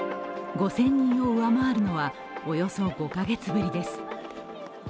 ５０００人を上回るのはおよそ５カ月ぶりです。